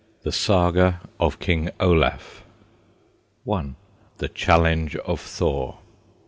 THE SAGA OF KING OLAF. I. THE CHALLENGE OF THOR.